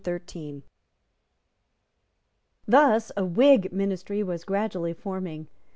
Thus a Whig ministry was gradually forming.